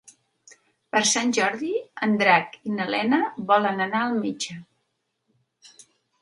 Per Sant Jordi en Drac i na Lena volen anar al metge.